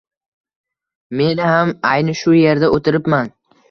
Men ham ayni shu yerda o‘tiribman.